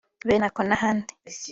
Benako n’ahandi